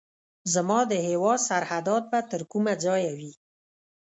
زما د هیواد سرحدات به تر کومه ځایه وي.